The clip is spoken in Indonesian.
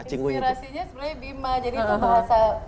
inspirasinya sebenarnya bima jadi itu bahasa